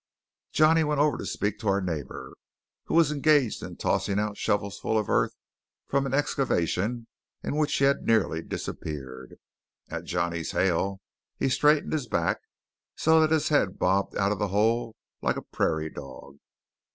Johnny went over to speak to our neighbour, who was engaged in tossing out shovelfuls of earth from an excavation into which he had nearly disappeared. At Johnny's hail, he straightened his back, so that his head bobbed out of the hole like a prairie dog.